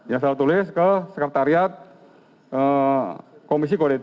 ya saya tertulis ke sekretariat komisi kodetik